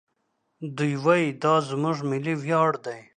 دوی وايي دا زموږ ملي ویاړ دی.